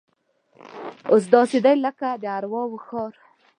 اوس داسې دی لکه د ارواو ښار.